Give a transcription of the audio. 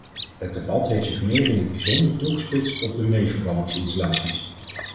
Het debat heeft zich meer in het bijzonder toegespitst op de meeverbrandingsinstallaties.